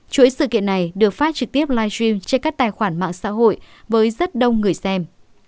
chuỗi sự kiện này được phát trực tiếp live stream trên các tài khoản mạng xã hội với rất đông người xem